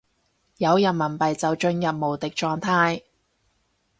有人民幣就進入無敵狀態